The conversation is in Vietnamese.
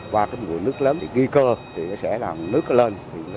qua cái nguồn nước lớn thì nghi cơ thì nó sẽ làm nước nó lên